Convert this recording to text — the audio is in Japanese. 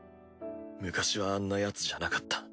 昔はあんなヤツじゃなかった。